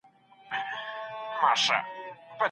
د ميرمني انکار په کوم حالت کي مکروه ګڼل کيږي؟